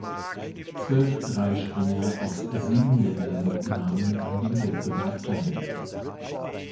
Zwölf Dreispringer aus sieben Ländern nahmen an dem Wettbewerb teil.